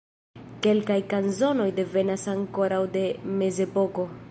Kelkaj kanzonoj devenas ankoraŭ de mezepoko.